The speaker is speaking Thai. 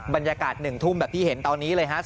แบบที่เห็นตอนนี้เลยฮะ